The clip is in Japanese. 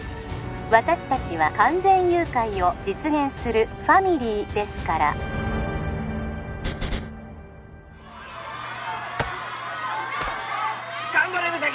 ☎私達は完全誘拐を実現する☎ファミリーですから頑張れ実咲！